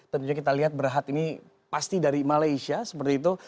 tentunya kita lihat berhad ini pasti dari malaysia seperti itu